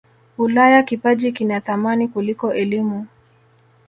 ulaya kipaji kina thamani kuliko elimu